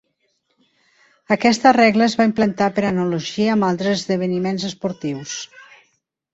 Aquesta regla es va implementar per analogia amb altres esdeveniments esportius.